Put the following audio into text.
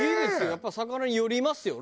やっぱ魚によりますよね。